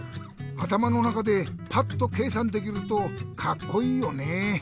あたまのなかでパッとけいさんできるとカッコイイよね。